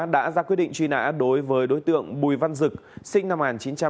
đã ra quyết định truy nã đối với đối tượng bùi văn dực sinh năm một nghìn chín trăm tám mươi